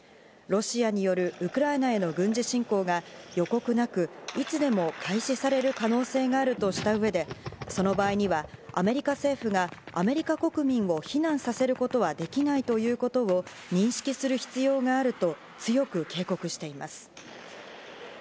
ロシアによるウクライナへの軍事侵攻が予告なく、いつでも開始される可能性があるとした上で、その場合にはアメリカ政府がアメリカ国民を避難させることはできないということを認識する必要があると強く警告しています。